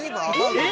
◆えっ？